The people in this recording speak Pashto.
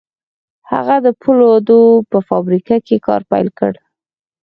هغه د پولادو په فابريکه کې کار پيل کړ.